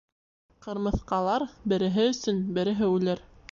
Ҡырмыҫҡалар береһе өсөн береһе үлер.